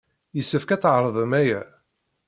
Yessefk ad tɛerḍem aya.